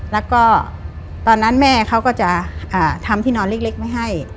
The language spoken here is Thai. แล้วก็ตอนนั้นแม่เขาก็จะทำที่นอนเล็กไว้ให้